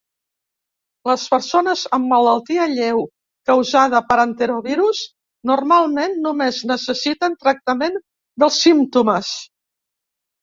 Les persones amb malaltia lleu causada per enterovirus normalment només necessiten tractament dels símptomes.